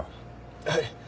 はい。